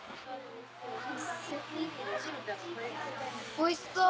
おいしそう。